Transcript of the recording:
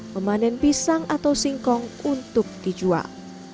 memanen pisang atau singkong untuk dijual